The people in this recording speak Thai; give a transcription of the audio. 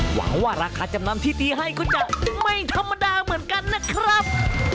หวังว่าราคาจำนำที่ตีให้ก็จะไม่ธรรมดาเหมือนกันนะครับ